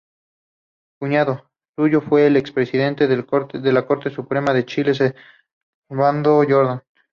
Cuñado suyo fue el ex presidente de la Corte Suprema de Chile Servando Jordán.